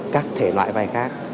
các thể loại vai khác